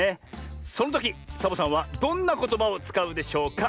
そのときサボさんはどんなことばをつかうでしょうか？